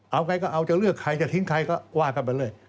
เอาใครก็เอาจะเลือกใครจะทิ้งใครก็ว่ากันไปเลย